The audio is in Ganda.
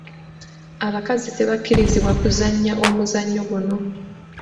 Abakazi tebakkirizibwa kuzannya omuzannyo guno.